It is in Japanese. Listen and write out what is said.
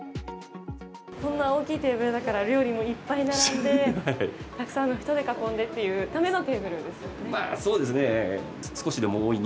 こんな大きいテーブルだから料理もいっぱい並んでたくさんの人で囲んでというためのそうですね。